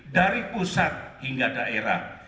dari pusat hingga daerah